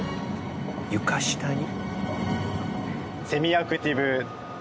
「床下に」？